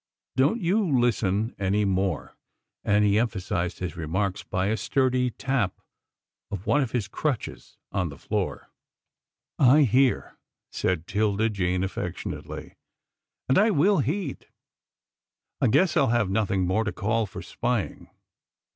Don't you listen any more," and he emphasized his remarks by a sturdy tap of one of his crutches on the floor. " I hear," said 'Tilda Jane, affectionately, " and I will heed. I guess I'll have nothing more to call for spying.